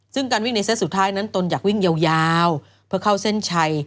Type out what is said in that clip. ซึ่งการวิ่งในเส้นสุดท้ายนั้นตนอยากวิ่งยาวเพื่อเข้าเส้นชัย